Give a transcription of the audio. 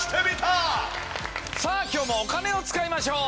さあ今日もお金を使いましょう。